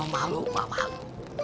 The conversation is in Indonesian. mak malu mak malu